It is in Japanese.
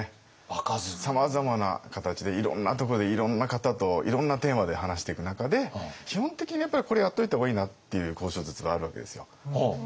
さまざまな形でいろんなところでいろんな方といろんなテーマで話していく中で基本的にやっぱりこれはやっておいた方がいいなっていう交渉術はあるわけですよ。